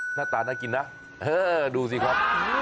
หน้าตาน่ากินนะดูสิครับ